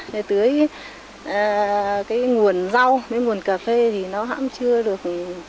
thì tưới cái nguồn rau với nguồn cà phê thì nó hẵng chưa được